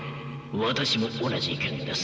私も同じ意見です。